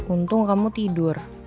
untung kamu tidur